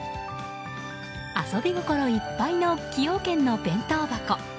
遊び心いっぱいの崎陽軒の弁当箱。